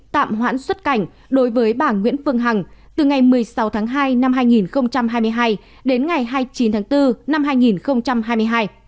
tạm hoãn xuất cảnh đối với bà nguyễn phương hằng từ ngày một mươi sáu tháng hai năm hai nghìn hai mươi hai đến ngày hai mươi chín tháng bốn năm hai nghìn hai mươi hai